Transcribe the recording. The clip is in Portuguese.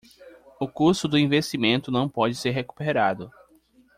O custo do investimento não pode ser recuperado